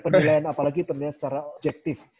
pendilaian apalagi pendilaian secara objektif